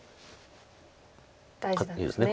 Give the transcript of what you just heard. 大事なんですね。